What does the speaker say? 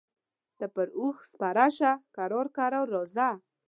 ته پر اوښ سپره شه کرار کرار راځه.